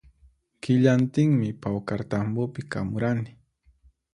Killantinmi pawkartambopi kamurani